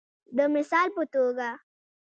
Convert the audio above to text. د مثال په توګه